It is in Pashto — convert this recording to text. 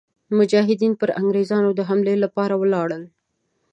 مجاهدین پر انګرېزانو د حملې لپاره ولاړل.